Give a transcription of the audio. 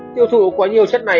tiêu thụ quá nhiều chất này